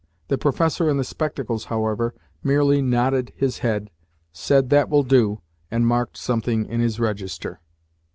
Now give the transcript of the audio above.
The professor in the spectacles, however, merely nodded his head, said "That will do," and marked something in his register.